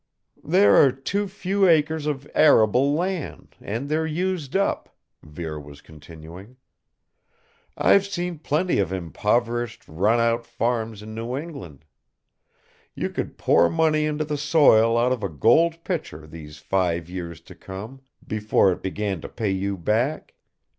"There are too few acres of arable land, and they're used up," Vere was continuing. "I've seen plenty of impoverished, run out farms in New England. You could pour money into the soil out of a gold pitcher these five years to come, before it began to pay you back.